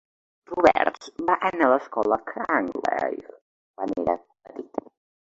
Roberts va anar a l'escola Cranleigh quan era petit.